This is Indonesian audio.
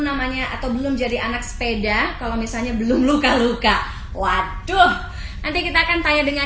namanya atau belum jadi anak sepeda kalau misalnya belum luka luka waduh nanti kita akan tanya dengan